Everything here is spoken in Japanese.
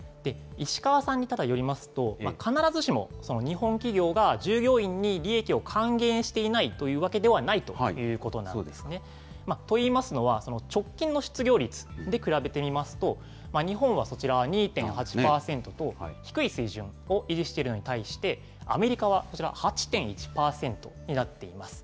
石川さんによりますと、必ずしも日本企業が従業員に利益を還元していないというわけではないということなんですね。と言いますのは、直近の失業率で比べてみますと、日本はこちらは２．８％と、低い水準を維持しているのに対して、アメリカはこちら、８．１％になっています。